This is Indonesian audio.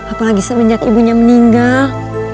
apalagi semenjak ibunya meninggal